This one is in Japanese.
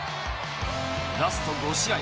ラスト５試合